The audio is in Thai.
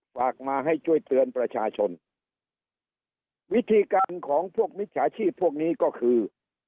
ฝากมาให้ช่วยเตือนประชาชนวิธีการของพวกมิจฉาชีพพวกนี้ก็คือ